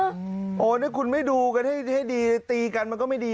โอ้โหนี่คุณไม่ดูกันให้ดีตีกันมันก็ไม่ดี